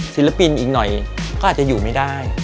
ศิลปินอีกหน่อยก็อาจจะอยู่ไม่ได้